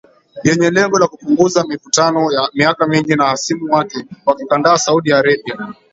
Yenye lengo la kupunguza mivutano ya miaka mingi na hasimu wake wa kikanda Saudi Arabia.